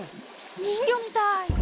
人魚みたい。